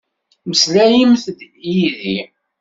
Meslayemt-d yid-i.